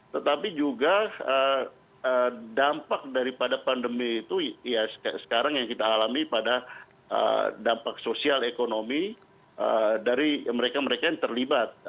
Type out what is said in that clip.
tetapi juga dampak daripada pandemi itu ya sekarang yang kita alami pada dampak sosial ekonomi dari mereka mereka yang terlibat